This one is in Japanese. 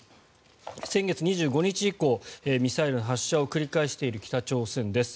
先月２５日以降ミサイルの発射を繰り返している北朝鮮です。